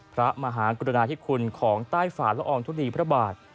พระมหากรุณาธิคุณของใต้ฝ่าละอองทุลีพระบาท